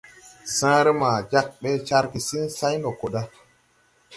Sããre maa jāg ɓe car gesiŋ say ndo ko da.